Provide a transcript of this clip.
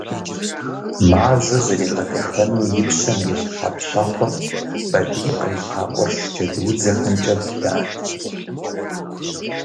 Мазэ зригъэдэхэну и пщэм ирилъхьа пщэхъур Бабий кърита къурш джэдуудзэхэмкӀэ блат.